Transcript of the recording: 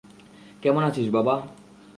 কেমন আছিস বাবা?